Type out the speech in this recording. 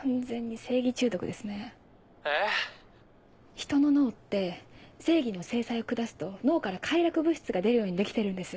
人の脳って正義の制裁を下すと脳から快楽物質が出るように出来てるんです。